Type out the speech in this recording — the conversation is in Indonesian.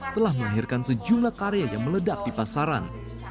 telah melahirkan sejumlah karya yang meledak di pasaran